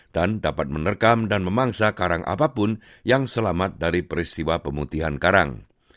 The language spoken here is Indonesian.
dapat menerkam dan memangsa karang apapun yang selamat dari peristiwa pemutihan karang